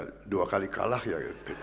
karena dua kali kalah ya